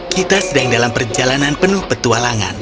kita sedang dalam perjalanan penuh petualangan